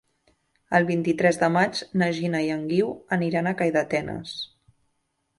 El vint-i-tres de maig na Gina i en Guiu aniran a Calldetenes.